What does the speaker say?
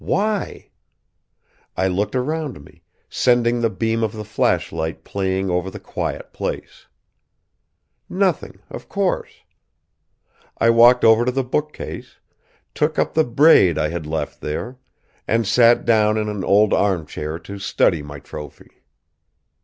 Why? I looked around me, sending the beam of the flashlight playing over the quiet place. Nothing, of course! I walked over to the bookcase, took up the braid I had left there, and sat down in an old armchair to study my trophy.